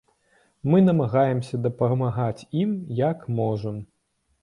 Мы намагаемся дапамагаць ім як можам.